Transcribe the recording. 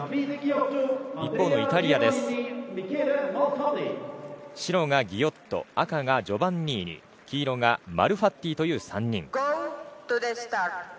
一方のイタリアは白がギオット赤がジョバンニーニ黄色がマルファッティという３人。